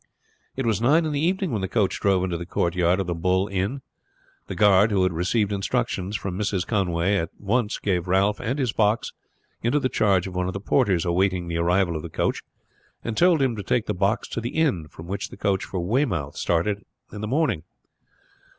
It was nine in the evening when the coach drove into the courtyard of the Bull Inn. The guard, who had received instructions from Mrs. Conway, at once gave Ralph and his box into the charge of one of the porters awaiting the arrival of the coach, and told him to take the box to the inn from which the coach for Weymouth started in the morning.